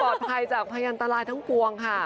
ปลอดภัยจากพยานตลายทั้งกวงค่ะ